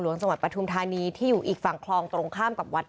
จังหวัดปทุมธานีที่อยู่อีกฝั่งคลองตรงข้ามกับวัด